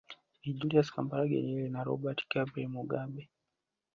Ni Julius Kambarage Nyerere na Robert Gabriel Mugabe